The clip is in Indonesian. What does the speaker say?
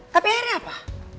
tapi akhirnya apa